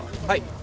はい。